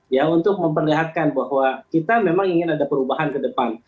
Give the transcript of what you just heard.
ya untuk memperlihatkan bahwa kita memang ingin ada perubahan ke depan